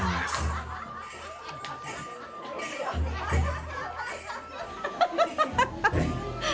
アハハハハ。